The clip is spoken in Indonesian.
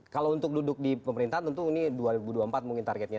kalau untuk duduk di pemerintahan tentu ini dua ribu dua puluh empat mungkin targetnya